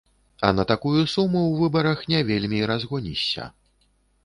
А на такую суму ў выбарах не вельмі і разгонішся.